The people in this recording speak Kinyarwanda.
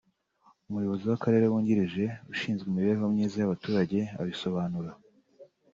Umuyobozi w’akarere wungirije ushinzwe imibereho myiza y’abaturage abisobanura